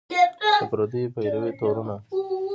د پردیو پیروۍ تورونه